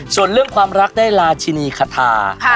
ส่วนเรื่องความรักได้ราชินีคาทา